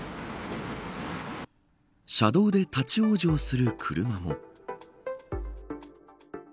車道で立ち往生する車も。